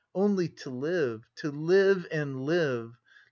Only to live, to live and live!